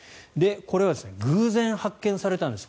これは偶然発見されたんです。